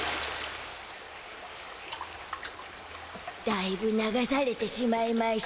だいぶ流されてしまいましゅた。